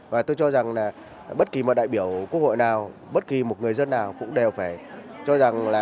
và tôi cho rằng bất kỳ đại biểu quốc hội nào bất kỳ một người dân nào cũng đều phải cho rằng